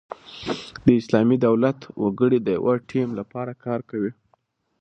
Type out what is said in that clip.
د اسلامي دولت وګړي د یوه ټیم له پاره کار کوي.